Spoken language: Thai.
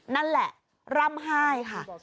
นั่นแหละร่ำไห้ค่ะ